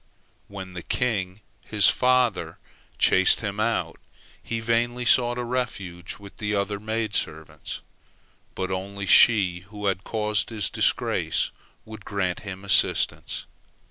When the king, his father, chased him out, he vainly sought a refuge with the other maid servants, but only she who had caused his disgrace would grant him assistance.